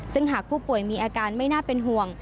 ซึ่งหากผู้ป่วยมีอาการไม่น่าเป็นห่วง